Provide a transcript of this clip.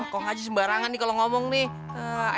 kong aji sembarangan nih kalau ngomong nih